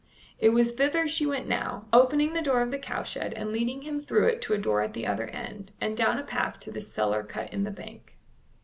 It was thither she went now, opening the door of the cowshed and leading him through it to a door at the other end, and down a path to this cellar cut in the bank.